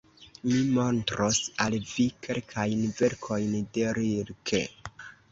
Mi montros al vi kelkajn verkojn de Rilke.